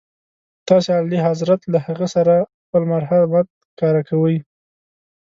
تاسي اعلیحضرت له هغې سره خپل مرحمت ښکاره کوئ.